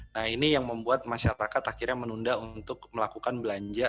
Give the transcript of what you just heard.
nah ini yang membuat masyarakat akhirnya menunda untuk melakukan belanja